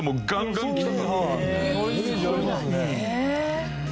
そういうイメージありますね。